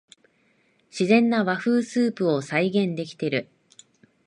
自然な和風スープを再現できてる